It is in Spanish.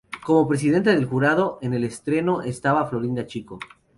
Como presidenta del jurado, en el estreno, estaba Florinda Chico.